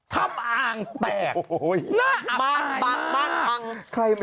พระเอกแม่